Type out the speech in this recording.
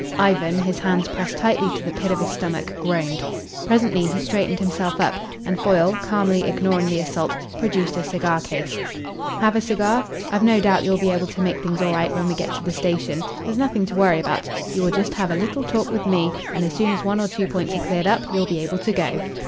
Ivan, his hands pressed tightly to the pit of his stomach, groaned. Presently he straightened himself up, and Foyle, calmly ignoring the assault, produced a cigar case. "Have a cigar? I've no doubt you'll be able to make things all right when we get to the station. There's nothing to worry about. You will just have a little talk with me, and as soon as one or two points are cleared up you'll be able to go."